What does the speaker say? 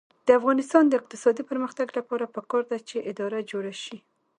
د افغانستان د اقتصادي پرمختګ لپاره پکار ده چې اداره جوړه شي.